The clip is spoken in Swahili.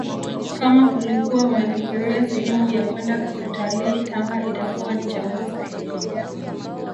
Kama ulikuwa unafikiria sehemu ya kwenda kutalii Tanga itakuwa ni chaguo sahihi